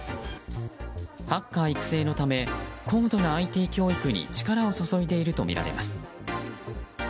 ハッカー育成のため高度なＩＴ教育に力を注いでいるとみられます。